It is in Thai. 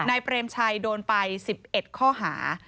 เปรมชัยโดนไป๑๑ข้อหา